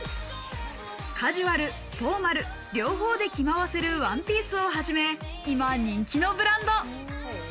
カジュアル、フォーマル、両方で着回せるワンピースをはじめ、今、人気のブランド。